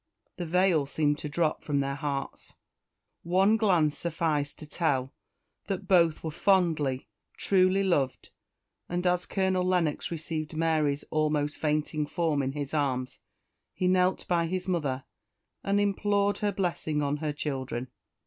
The veil seemed to drop from their hearts; one glance sufficed to tell that both were fondly, truly loved; and as Colonel Lennox received Mary's almost fainting form in his arms, he knelt by his mother, and implored her blessing on her children.